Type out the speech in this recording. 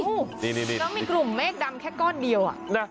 แล้วมีกลุ่มเมฆดำแค่ก้อนเดียว